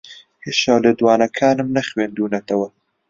ھێشتا لێدوانەکانم نەخوێندوونەتەوە.